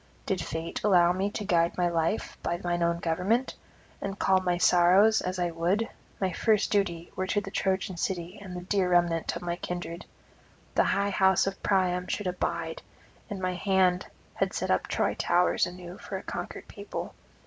Did fate allow me to guide my life by mine own government, and calm my sorrows as I would, my first duty were to the Trojan city and the dear remnant of my kindred; the high house of Priam should abide, and my hand had set up Troy towers anew for a conquered people.